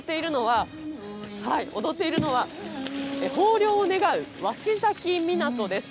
踊っているのは、豊漁を願う鷲崎港です。